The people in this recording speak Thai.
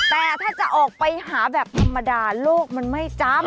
แต่ถ้าจะออกไปหาแบบธรรมดาโลกมันไม่จำ